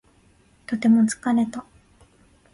とても疲れた